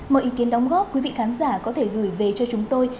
mọi ý kiến đóng góp quý vị khán giả có thể gửi về cho chúng tôi